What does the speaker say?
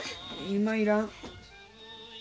今いらん。